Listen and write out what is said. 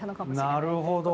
なるほど！